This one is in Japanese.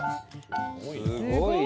すごいね！